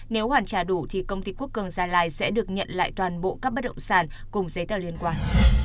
nếu hoàn trả đủ thì công ty quốc cường gia lai sẽ được nhận lại toàn bộ các bất động sản cùng giấy tờ liên quan